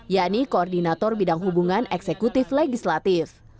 yakni koordinator bidang hubungan eksekutif legislatif